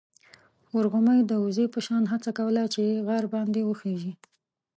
ورغومي د وزې په شان هڅه کوله چې غر باندې وخېژي.